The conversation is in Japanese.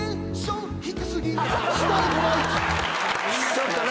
ちょっとね。